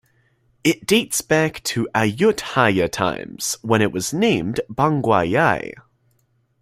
It dates back to Ayutthaya times, when it was named Bangwayai.